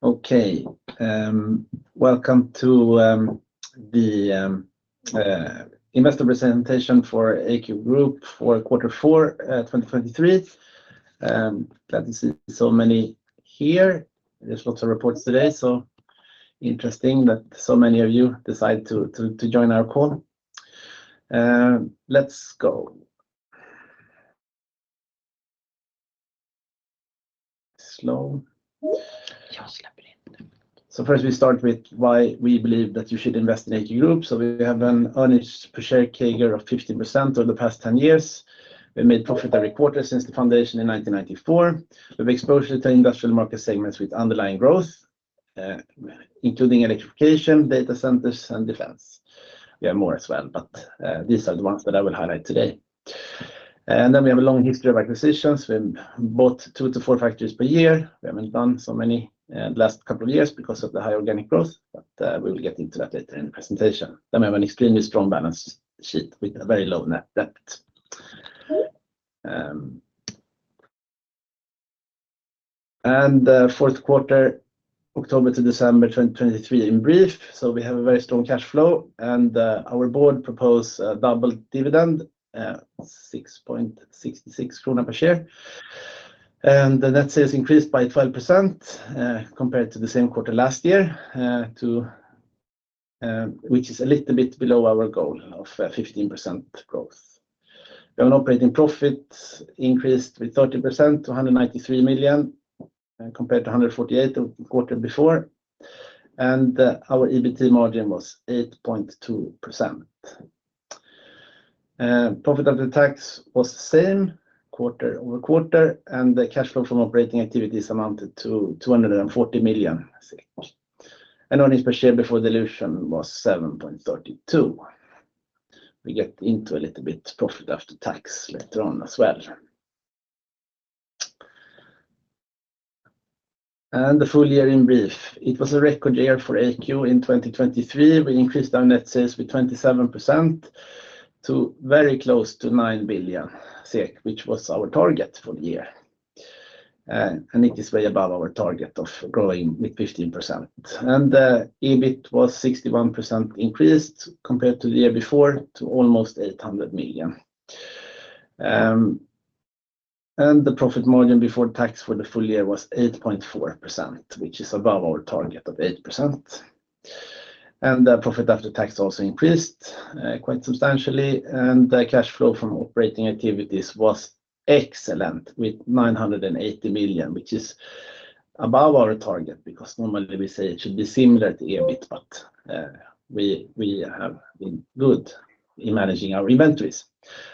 Okay, welcome to the investor presentation for AQ Group for quarter four, 2023. Glad to see so many here. There's lots of reports today, so interesting that so many of you decide to join our call. Let's go. Slow. First, we start with why we believe that you should invest in AQ Group. We have an earnings per share CAGR of 15% over the past 10 years. We made profit every quarter since the foundation in 1994. We have exposure to industrial market segments with underlying growth, including electrification, data centers, and defense. We have more as well, but these are the ones that I will highlight today. And then we have a long history of acquisitions. We've bought two to four factories per year. We haven't done so many last couple of years because of the high organic growth, but we will get into that later in the presentation. Then we have an extremely strong balance sheet with a very low net debt. And fourth quarter, October to December 2023, in brief, so we have a very strong cash flow, and our board propose a double dividend 6.66 krona per share. And the net sales increased by 12% compared to the same quarter last year to which is a little bit below our goal of 15% growth. We have an operating profit increased with 30% to 193 million compared to 148 million the quarter before, and our EBIT margin was 8.2%. Profit after tax was the same quarter-over-quarter, and the cash flow from operating activities amounted to 240 million. Earnings per share before dilution was 7.32. We get into a little bit profit after tax later on as well. The full year in brief, it was a record year for AQ in 2023. We increased our net sales with 27% to very close to 9 billion SEK, which was our target for the year. It is way above our target of growing with 15%. The EBIT was 61% increased compared to the year before, to almost 800 million. The profit margin before tax for the full year was 8.4%, which is above our target of 8%. The profit after tax also increased quite substantially, and the cash flow from operating activities was excellent, with 980 million, which is above our target, because normally we say it should be similar to the EBIT, but we have been good in managing our inventories.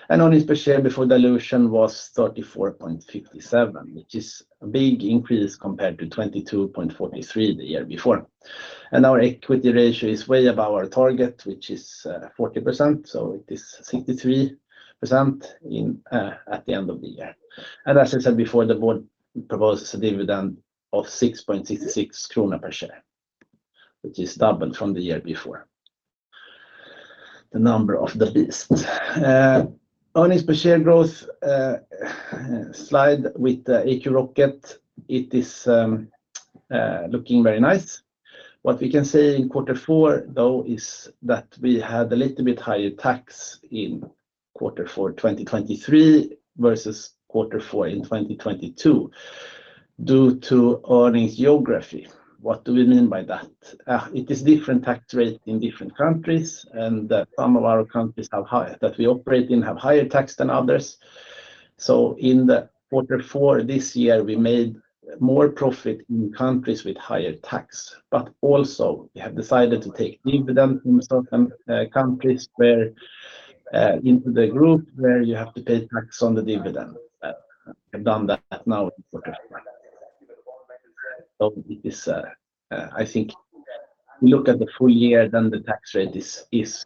Earnings per share before dilution was 34.57, which is a big increase compared to 22.43 the year before. Our equity ratio is way above our target, which is 40%, so it is 63% at the end of the year. As I said before, the board proposes a dividend of 6.66 krona per share, which is double from the year before. The number of the beast. Earnings per share growth slide with the AQ rocket; it is looking very nice. What we can say in quarter four, though, is that we had a little bit higher tax in quarter four, 2023 versus quarter four in 2022 due to earnings geography. What do we mean by that? It is different tax rate in different countries, and that some of the countries that we operate in have higher tax than others. So in the quarter four this year, we made more profit in countries with higher tax, but also we have decided to take dividend in certain countries where into the group where you have to pay tax on the dividend. We've done that now. So it is, I think if you look at the full year, then the tax rate is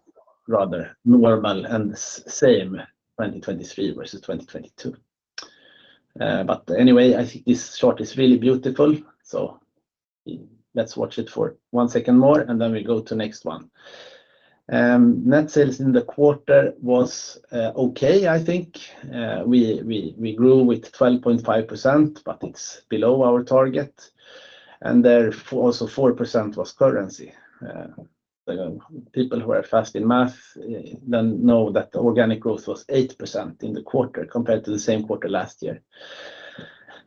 rather normal and same, 2023 versus 2022. But anyway, I think this chart is really beautiful, so let's watch it for one second more, and then we go to next one. Net sales in the quarter was okay, I think. We grew with 12.5%, but it's below our target, and there also 4% was currency. People who are fast in math then know that organic growth was 8% in the quarter compared to the same quarter last year.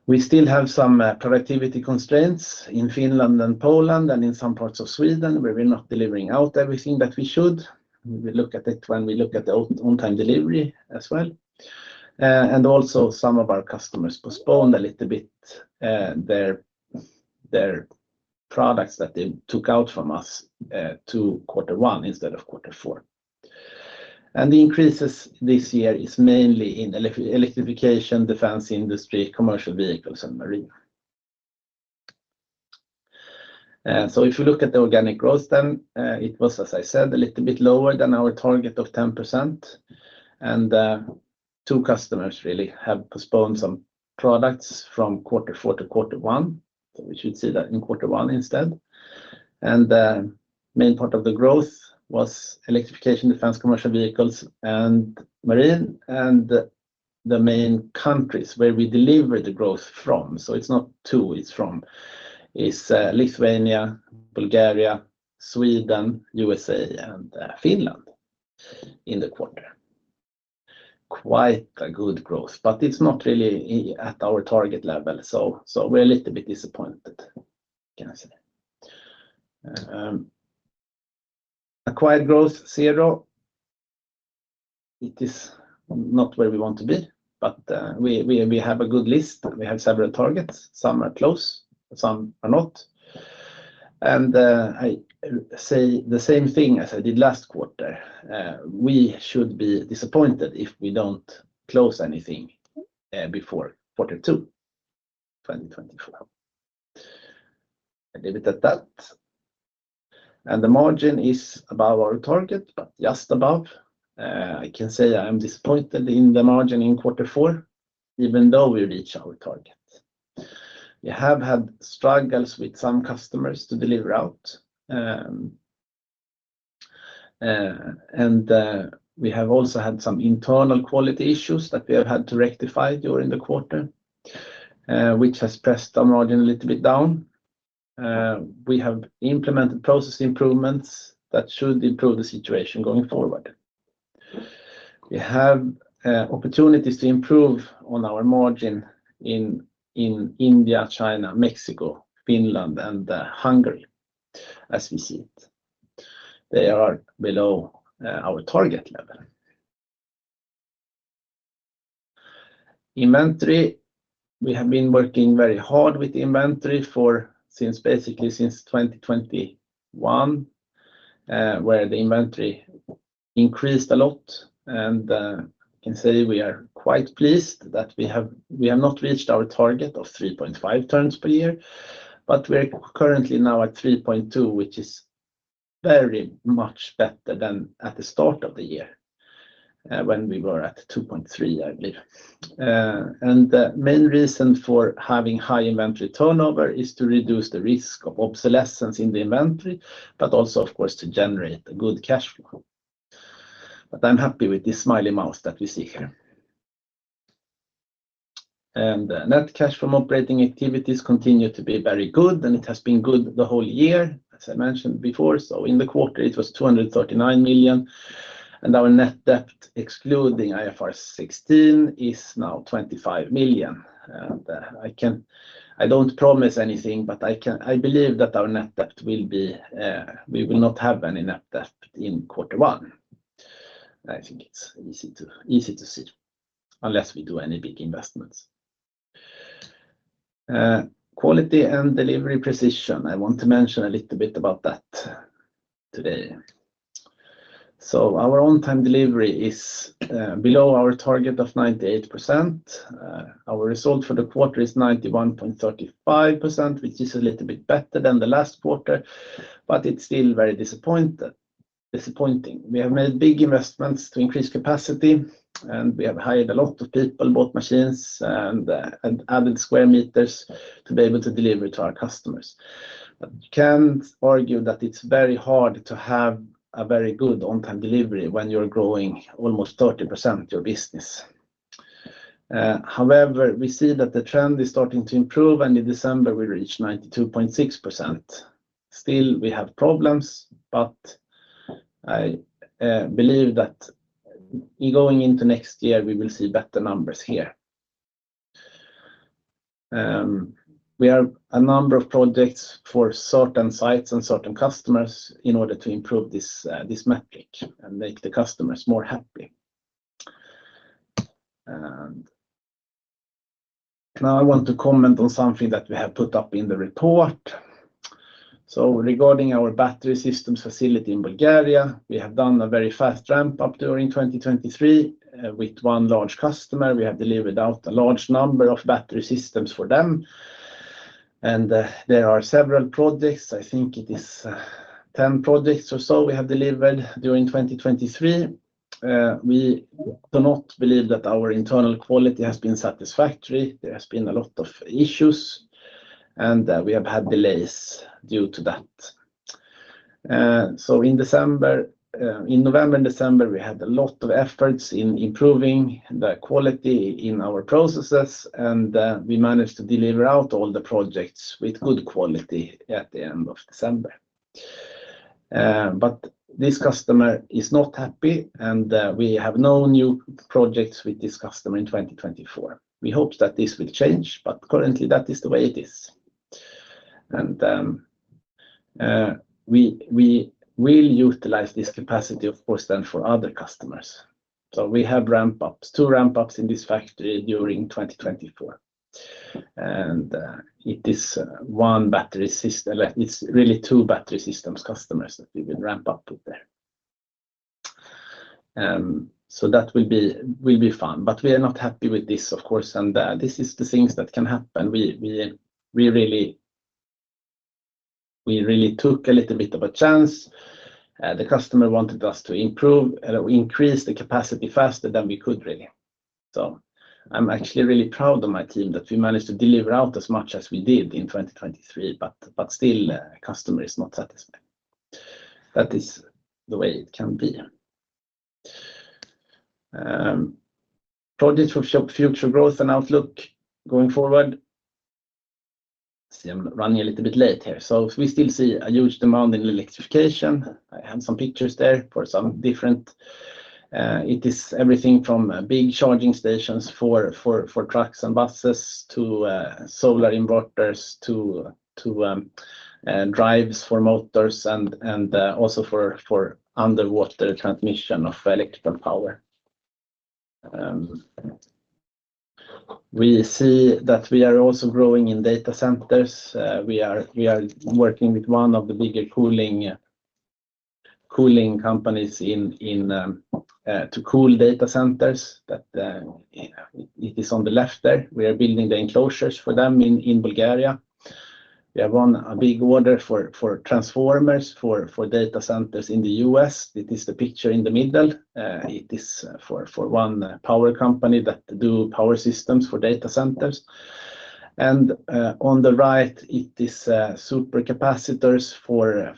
We still have some productivity constraints in Finland and Poland and in some parts of Sweden, where we're not delivering out everything that we should. We look at it when we look at the on-time delivery as well. And also some of our customers postponed a little bit, their products that they took out from us, to quarter one instead of quarter four. And the increases this year is mainly in electrification, defense, industry, commercial vehicles, and marine. So if you look at the organic growth, then, it was, as I said, a little bit lower than our target of 10%. And, two customers really have postponed some products from quarter four to quarter one, so we should see that in quarter one instead. And the main part of the growth was electrification, defense, commercial vehicles, and marine. The main countries where we deliver the growth from, so it's not to, it's from, is, Lithuania, Bulgaria, Sweden, U.S.A., and, Finland in the quarter. Quite a good growth, but it's not really at our target level, so we're a little bit disappointed, can I say? Acquired growth, zero. It is not where we want to be, but we have a good list. We have several targets. Some are close, some are not. And I say the same thing as I did last quarter, we should be disappointed if we don't close anything before quarter two, 2024. I leave it at that. And the margin is above our target, but just above. I can say I'm disappointed in the margin in quarter four, even though we reach our target. We have had struggles with some customers to deliver out. We have also had some internal quality issues that we have had to rectify during the quarter, which has pressed our margin a little bit down. We have implemented process improvements that should improve the situation going forward. We have opportunities to improve on our margin in India, China, Mexico, Finland, and Hungary as we see it. They are below our target level. Inventory, we have been working very hard with inventory basically since 2021, where the inventory increased a lot. I can say we are quite pleased that we have not reached our target of 3.5 turns per year, but we're currently now at 3.2, which is very much better than at the start of the year, when we were at 2.3, I believe. The main reason for having high inventory turnover is to reduce the risk of obsolescence in the inventory, but also, of course, to generate a good cash flow. I'm happy with this smiley mouth that we see here. Net cash from operating activities continue to be very good, and it has been good the whole year, as I mentioned before. In the quarter, it was 239 million, and our net debt, excluding IFRS 16, is now 25 million. I don't promise anything, but I believe that our net debt will be, we will not have any net debt in quarter one. I think it's easy to see unless we do any big investments. Quality and delivery precision, I want to mention a little bit about that today. So our On-Time Delivery is below our target of 98%. Our result for the quarter is 91.35%, which is a little bit better than the last quarter, but it's still very disappointed, disappointing. We have made big investments to increase capacity, and we have hired a lot of people, bought machines, and added square meters to be able to deliver to our customers. But you can't argue that it's very hard to have a very good On-Time Delivery when you're growing almost 30% of your business. However, we see that the trend is starting to improve, and in December, we reached 92.6%. Still, we have problems, but I believe that going into next year, we will see better numbers here. We have a number of projects for certain sites and certain customers in order to improve this metric and make the customers more happy. Now I want to comment on something that we have put up in the report. Regarding our battery systems facility in Bulgaria, we have done a very fast ramp-up during 2023 with one large customer. We have delivered out a large number of battery systems for them, and there are several projects. I think it is 10 projects or so we have delivered during 2023. We do not believe that our internal quality has been satisfactory. There has been a lot of issues, and we have had delays due to that. So in December, in November and December, we had a lot of efforts in improving the quality in our processes, and we managed to deliver out all the projects with good quality at the end of December. But this customer is not happy, and we have no new projects with this customer in 2024. We hope that this will change, but currently, that is the way it is. And we will utilize this capacity, of course, then for other customers. So we have ramp ups, two ramp ups in this factory during 2024. And it is one battery system. It's really two battery systems, customers that we will ramp up with there. So that will be fun, but we are not happy with this, of course, and this is the things that can happen. We really took a little bit of a chance. The customer wanted us to improve, increase the capacity faster than we could, really. So I'm actually really proud of my team that we managed to deliver out as much as we did in 2023, but still, customer is not satisfied. That is the way it can be. Projects for future growth and outlook going forward. See, I'm running a little bit late here. So we still see a huge demand in electrification. I have some pictures there for some different, it is everything from, big charging stations for trucks and buses to solar inverters to drives for motors and also for underwater transmission of electrical power. We see that we are also growing in data centers. We are working with one of the bigger cooling companies in to cool data centers that it is on the left there. We are building the enclosures for them in Bulgaria. We have won a big order for transformers for data centers in the U.S. It is the picture in the middle. It is for one power company that do power systems for data centers. And on the right, it is super capacitors for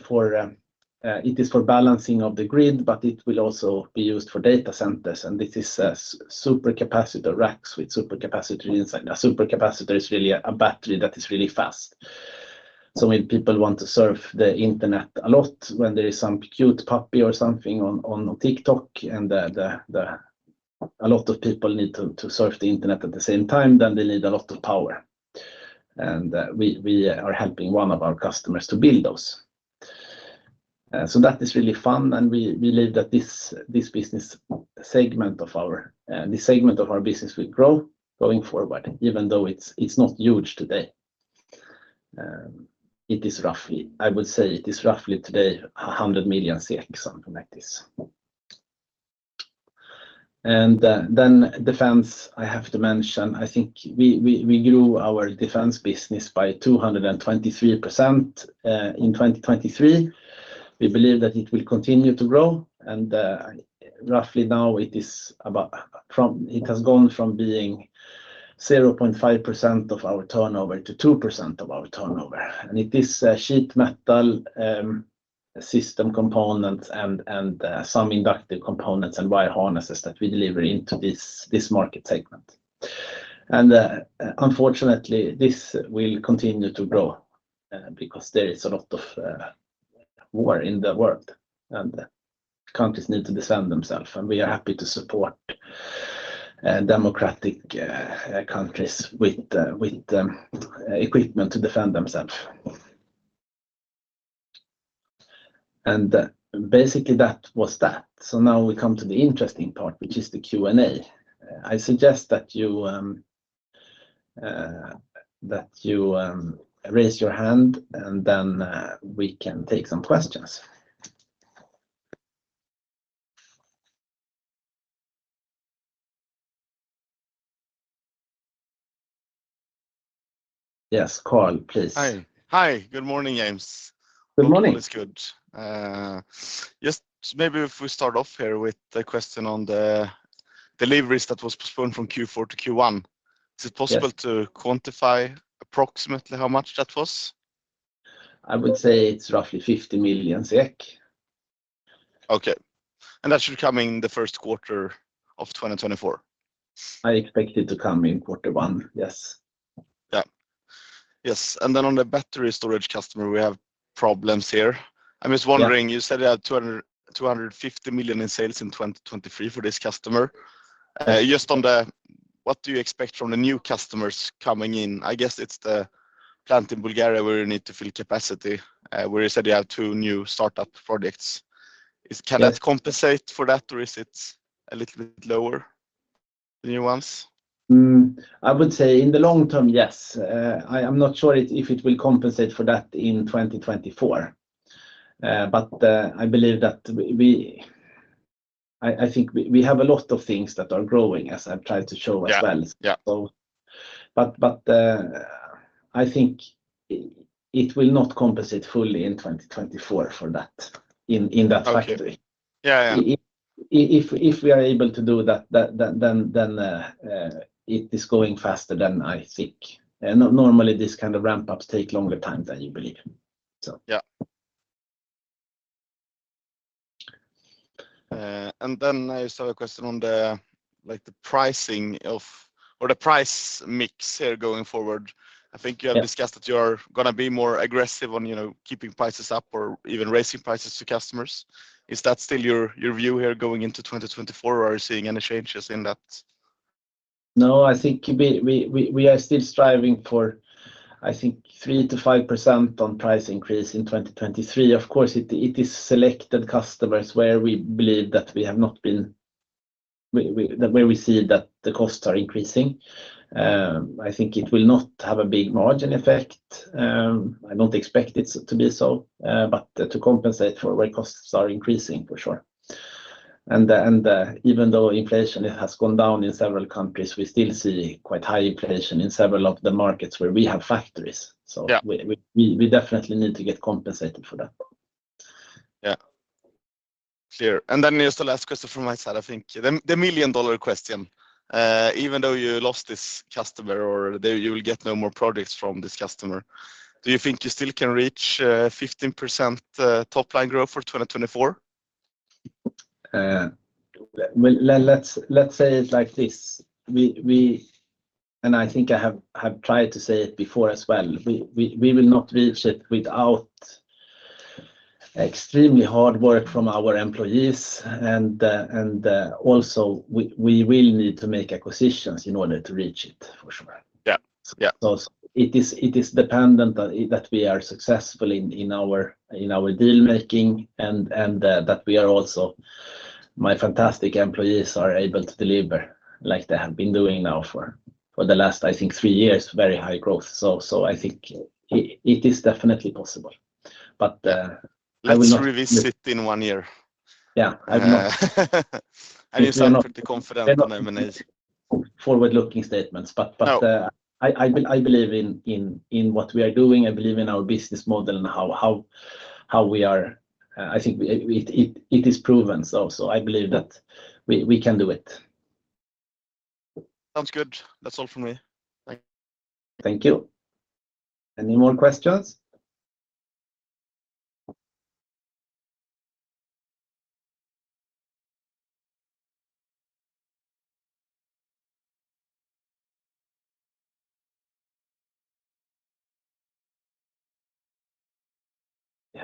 it is for balancing of the grid, but it will also be used for data centers, and this is a super capacitor racks with super capacitor inside. A super capacitor is really a battery that is really fast. So when people want to surf the internet a lot, when there is some cute puppy or something on TikTok, and a lot of people need to surf the internet at the same time, then they need a lot of power, and we are helping one of our customers to build those. So that is really fun, and we believe that this business segment of our this segment of our business will grow going forward, even though it's not huge today. It is roughly, I would say, 100 million today, something like this. Then defense, I have to mention. I think we grew our defense business by 223% in 2023. We believe that it will continue to grow, and roughly now it has gone from being 0.5% of our turnover to 2% of our turnover. And it is a sheet metal system components and some inductive components and wire harnesses that we deliver into this market segment. And unfortunately, this will continue to grow because there is a lot of war in the world, and countries need to defend themselves, and we are happy to support democratic countries with equipment to defend themselves. And basically, that was that. So now we come to the interesting part, which is the Q&A. I suggest that you raise your hand, and then we can take some questions. Yes, Carl, please. Hi. Hi, good morning, James. Good morning. All is good. Just maybe if we start off here with a question on the deliveries that was postponed from Q4 to Q1. Yes. Is it possible to quantify approximately how much that was? I would say it's roughly 50 million SEK. Okay. That should come in the first quarter of 2024? I expect it to come in quarter one. Yes. Yeah. Yes, and then on the battery storage customer, we have problems here. Yeah. I was wondering, you said you had 200 million-250 million in sales in 2023 for this customer. Yeah. Just on the, what do you expect from the new customers coming in? I guess it's the plant in Bulgaria where you need to fill capacity, where you said you have two new startup projects. Yes. Can that compensate for that, or is it a little bit lower, the new ones? I would say in the long term, yes. I'm not sure if it will compensate for that in 2024. But I believe that we, I think we have a lot of things that are growing, as I've tried to show as well. Yeah. Yeah. I think it will not compensate fully in 2024 for that, in that factory. Okay. Yeah, yeah. If we are able to do that, then it is going faster than I think. And normally, this kind of ramp-ups take longer time than you believe, so. Yeah. And then I just have a question on the, like the pricing of or the price mix here going forward. Yeah. I think you have discussed that you are gonna be more aggressive on, you know, keeping prices up or even raising prices to customers. Is that still your, your view here going into 2024, or are you seeing any changes in that? No, I think we are still striving for, I think, 3%-5% on price increase in 2023. Of course, it is selected customers where we believe that we have not been—that where we see that the costs are increasing. I think it will not have a big margin effect. I don't expect it to be so, but to compensate for where costs are increasing, for sure. And, even though inflation has gone down in several countries, we still see quite high inflation in several of the markets where we have factories. Yeah. So we definitely need to get compensated for that. Yeah. Clear. And then just the last question from my side, I think the million-dollar question, even though you lost this customer or you will get no more projects from this customer, do you think you still can reach 15% top line growth for 2024? Well, let's say it like this. We and I think I have tried to say it before as well, we will not reach it without extremely hard work from our employees, and also, we will need to make acquisitions in order to reach it, for sure. Yeah. Yeah. So it is dependent on that we are successful in our deal-making, and that my fantastic employees are able to deliver like they have been doing now for the last, I think, three years, very high growth. So I think it is definitely possible. But I will not- Let's revisit in one year. Yeah. You sound pretty confident on M&A. Forward-looking statements. No. But, I believe in what we are doing. I believe in our business model and how we are... I think it is proven. So, I believe that we can do it. Sounds good. That's all from me. Thank you. Thank you. Any more questions?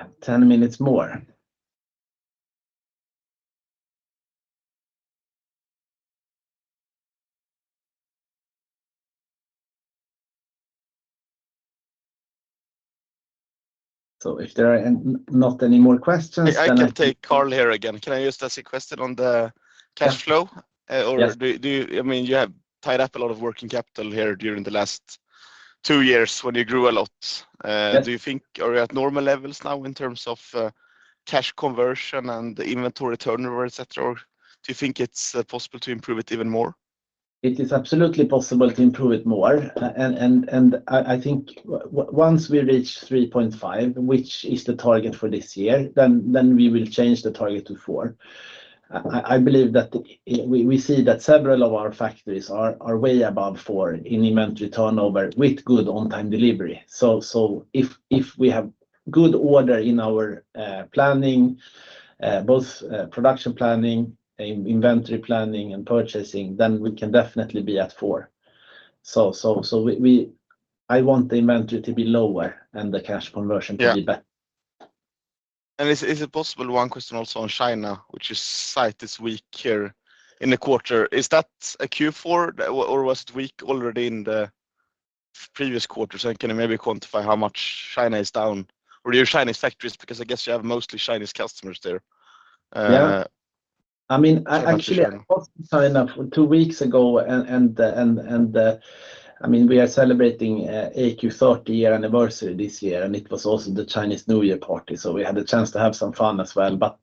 Yeah, 10 minutes more. So if there are not any more questions, then I- I can take Carl here again. Can I just ask a question on the cash flow? Yeah. I mean, you have tied up a lot of working capital here during the last two years when you grew a lot. Yes. Do you think are you at normal levels now in terms of, cash conversion and inventory turnover, et cetera, or do you think it's possible to improve it even more? It is absolutely possible to improve it more. I think once we reach 3.5, which is the target for this year, then we will change the target to 4. I believe that we see that several of our factories are way above 4 in inventory turnover with good on-time delivery. So if we have good order in our planning, both production planning and inventory planning and purchasing, then we can definitely be at 4. So I want the inventory to be lower and the cash conversion to be better. Yeah. And is it possible, one question also on China, which is slightly weak this week here in the quarter, is that a Q4, or was it weak already in the previous quarter? So can you maybe quantify how much China is down or your Chinese factories? Because I guess you have mostly Chinese customers there. Yeah. I mean, I actually two weeks ago I mean we are celebrating AQ 30-year anniversary this year, and it was also the Chinese New Year party, so we had a chance to have some fun as well. But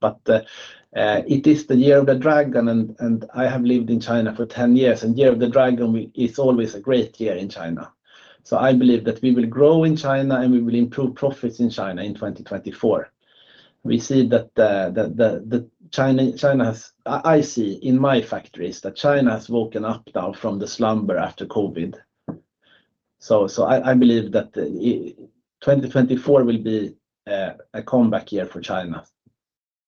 it is the Year of the Dragon, and I have lived in China for 10 years, and Year of the Dragon is always a great year in China. So I believe that we will grow in China, and we will improve profits in China in 2024. We see that. I see in my factories that China has woken up now from the slumber after COVID. So I believe that 2024 will be a comeback year for China.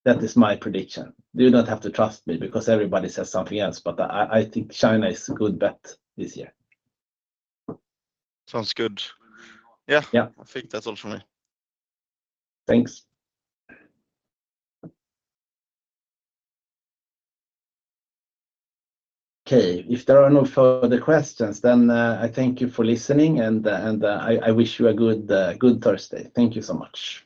That is my prediction. You don't have to trust me because everybody says something else, but I, I think China is a good bet this year. Sounds good. Yeah. Yeah. I think that's all from me. Thanks. Okay, if there are no further questions, then I thank you for listening, and I wish you a good Thursday. Thank you so much.